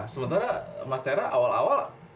sementara mas tera awal awal